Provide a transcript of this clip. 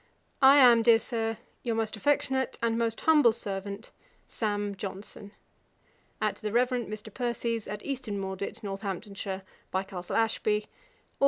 I am, dear Sir, 'Your most affectionate 'And most humble servant, 'SAM. JOHNSON.' 'At the Rev. Mr. Percy's, at Easton Maudit, Northamptonshire, (by Castle Ashby,) Aug.